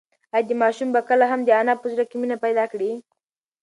ایا دا ماشوم به کله هم د انا په زړه کې مینه پیدا کړي؟